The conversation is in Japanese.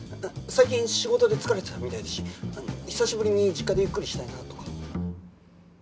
最近仕事で疲れてたみたいだし久しぶりに実家でゆっくりしたいなとか？